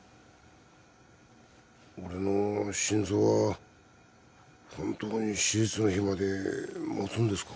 俺の心臓は本当に手術の日までもつんですか？